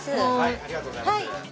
ありがとうございます